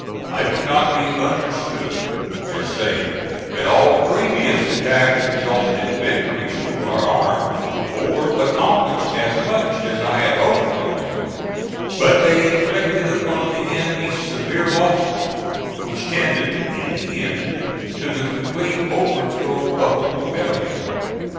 I would not be understood as saying that all previous attacks resulted in victories to our arms, or accomplished as much as I had hoped from them; but they inflicted upon the enemy severe losses, which tended, in the end, to the complete overthrow of the rebellion.